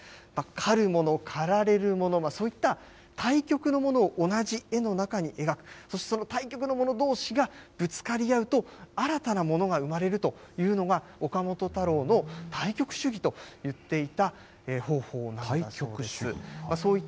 狩るもの、狩られるもの、そういった対極のものを同じ絵の中に描く、そしてその対極のものどうしがぶつかり合うと、新たなものが生まれるというのが、岡本太郎の対極主義といっていた方法なんだそうです。